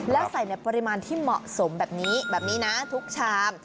แล้วใส่ในปริมาณที่เหมาะสมแบบนี้แบบนี้นะทุกชาม